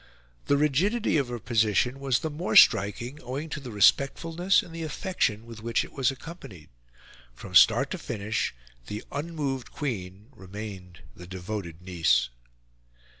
The rigidity of her position was the more striking owing to the respectfulness and the affection with which it was accompanied. From start to finish the unmoved Queen remained the devoted niece.